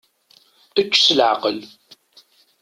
Ečč s leɛqel.